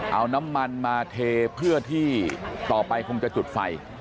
เอาน้ำมันมาเทเพื่อที่ต่อไปคงจะจุดไฟ